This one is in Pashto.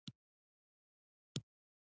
بادرنګ د پوستکي نرمښت ته ګټه لري.